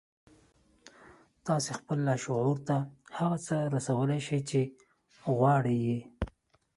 تاسې خپل لاشعور ته هغه څه رسولای شئ چې غواړئ يې.